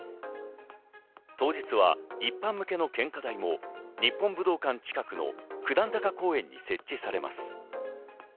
当日は一般向けの献花台も日本武道館近くの九段坂公園に設置されます。